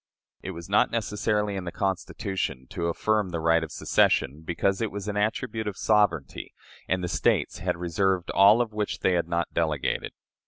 It was not necessary in the Constitution to affirm the right of secession, because it was an attribute of sovereignty, and the States had reserved all which they had not delegated.